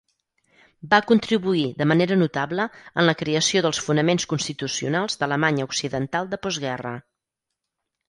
Va contribuir de manera notable en la creació dels fonaments constitucionals d'Alemanya Occidental de postguerra.